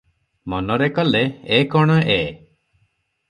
ମନରେ କଲେ, ଏ କଣ ଏ ।